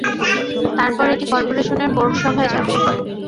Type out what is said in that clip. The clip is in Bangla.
তারপর এটি করপোরেশনের বোর্ড সভায় যাবে।